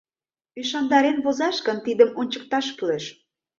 Ӱшандарен возаш гын, тидым ончыкташ кӱлеш.